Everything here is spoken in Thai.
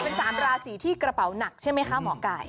เป็น๓ราศีที่กระเป๋าหนักใช่ไหมคะหมอไก่